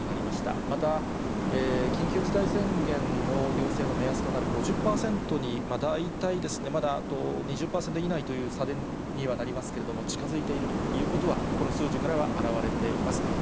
また、緊急事態宣言の要請の目安となる５０％に大体、まだあと２０％以内という差にはなりますけれども、近づいているということは、この数字からは表れています。